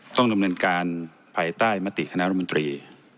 ต้องดำเนินการภายใต้มติคณะรัฐมนตรี